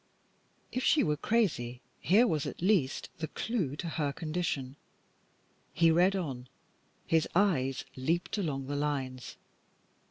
If she were crazy, here was at least the clue to her condition. He read on; his eyes leaped along the lines.